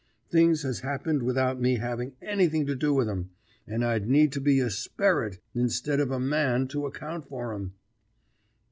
Things has happened without me having anything to do with 'em, and I'd need to be a sperrit instead of a man to account for 'em.'